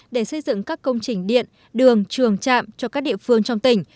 để xây dựng các công trình điện đường trường trạm cho các địa phương trong tỉnh